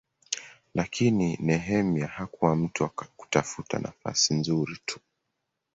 Lakini Nehemia hakuwa mtu wa kutafuta nafasi nzuri tu.